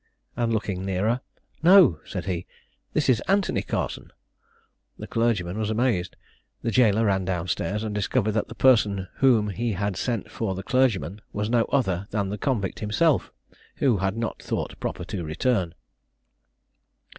and looking nearer "No," said he, "this is Anthony Carson!" The clergyman was amazed the jailor ran down stairs, and discovered that the person whom he had sent for the clergyman was no other than the convict himself, who had not thought proper to return.